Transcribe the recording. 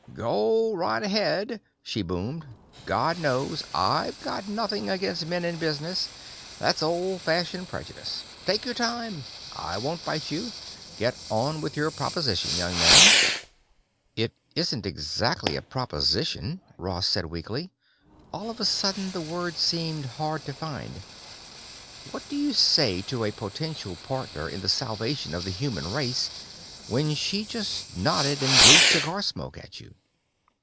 "Go right ahead," she boomed. "God knows, I've got nothing against men in business; that's old fashioned prejudice. Take your time. I won't bite you. Get on with your proposition, young man." "It isn't exactly a proposition," Ross said weakly. All of a sudden the words seemed hard to find. What did you say to a potential partner in the salvation of the human race when she just nodded and blew cigar smoke at you?